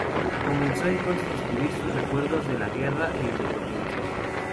Comenzó entonces a escribir sus recuerdos de la guerra de Independencia.